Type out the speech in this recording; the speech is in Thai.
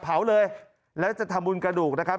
เผาเลยแล้วจะทำบุญกระดูกนะครับ